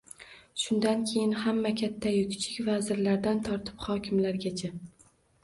Shundan keyin hamma kattayu kichik, vazirlardan tortib hokimlargacha